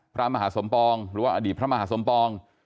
พระมหาสมปองหรือว่าอดีตพระมหาสมปอง